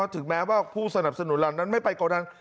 ถึงแม้ว่าผู้สนับสนุนเหล่านั้นไม่ไปกดดัน